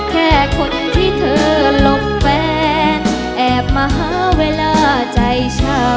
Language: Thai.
แค่คนที่เธอหลบแฟนแอบมาหาเวลาใจเช้า